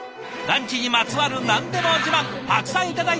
ランチにまつわる何でも自慢たくさん頂いています！